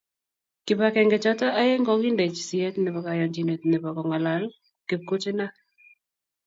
kibagenge chotok aeng kokiindeji siyet nebo kayanchinet nebo kongalal kipkutinak